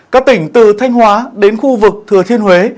các tỉnh từ thanh hóa đến khu vực thừa thiên huế